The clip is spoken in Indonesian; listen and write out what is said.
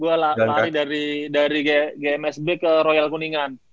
gue lari dari gmsb ke royal kuningan